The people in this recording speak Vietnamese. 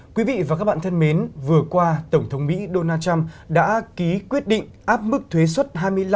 quý vị và các bạn thân mến vừa qua tổng thống mỹ donald trump đã ký quyết định áp mức thuế xuất hai mươi năm